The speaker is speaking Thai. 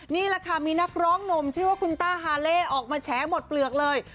นี่แหละค่ะมีนักร้องหนุ่มชื่อว่าคุณต้าฮาเล่ออกมาแฉหมดเปลือกเลย